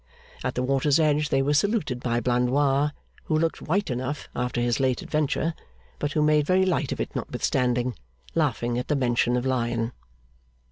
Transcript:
At the water's edge they were saluted by Blandois, who looked white enough after his late adventure, but who made very light of it notwithstanding, laughing at the mention of Lion.